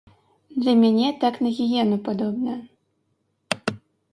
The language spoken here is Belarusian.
Для мяне так на гіену падобна.